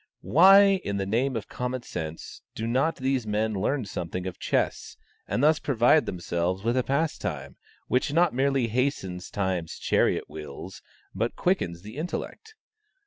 Why, in the name of common sense, do not these men learn something of chess, and thus provide themselves with a pastime which not merely hastens Time's chariot wheels, but quickens the intellect?